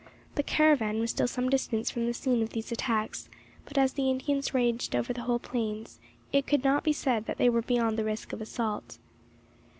The caravan was still some distance from the scene of these attacks; but as the Indians ranged over the whole plains, it could not be said that they were beyond the risk of assault.